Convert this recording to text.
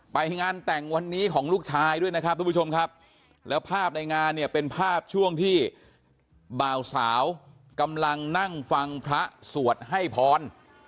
ไปงานแต่งวันนี้ของลูกชายด้วยนะครับทุกผู้ชมครับแล้วภาพในงานเนี่ยเป็นภาพช่วงที่บ่าวสาวกำลังนั่งฟังพระสวดให้พร